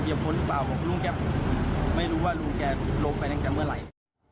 เยี่ยมพ้นหรือเปล่าบอกลุงแกไม่รู้ว่าลุงแกลงจากเมื่อไหร่